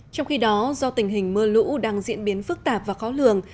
trong khi đó do tình hình mưa lũ đang diễn biến phức tạp và khó lường